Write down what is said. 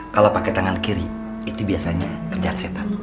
kalau pakai tangan kiri itu biasanya kerjaan setan